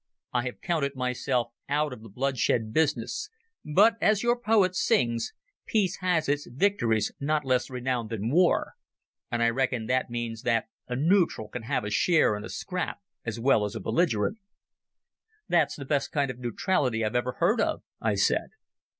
I have counted myself out of the bloodshed business, but, as your poet sings, peace has its victories not less renowned than war, and I reckon that means that a nootral can have a share in a scrap as well as a belligerent." "That's the best kind of neutrality I've ever heard of," I said.